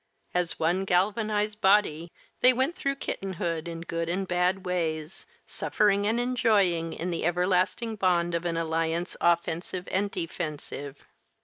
As one galvanized body, they went through kittenhood in good and bad ways, suffering and enjoying in the everlasting bond of an alliance offensive and defensive.